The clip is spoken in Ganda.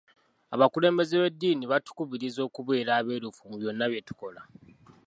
Abakulembeze b'eddiini batukubiriza okubeera abeerufu mu byonna bye tukola.